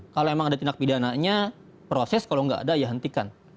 kalau memang ada tindak pidananya proses kalau nggak ada ya hentikan